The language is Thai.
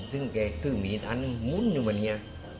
ซึ่งแกซื่อมีทันมุ้นอยู่แบบเนี้ย